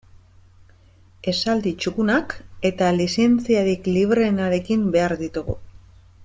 Esaldi txukunak eta lizentziarik libreenarekin behar ditugu.